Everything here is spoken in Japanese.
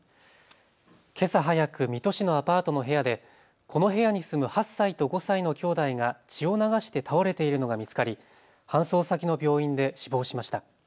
けさ早く水戸市のアパートの部屋でこの部屋に住む８歳と５歳のきょうだいが血を流して倒れているのが見つかり搬送先の病院で死亡しました。